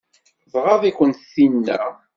Tɣaḍ-iken tinna?